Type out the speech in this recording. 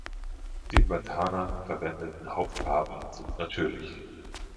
Die in Bandhana verwendeten Hauptfarben sind natürlich.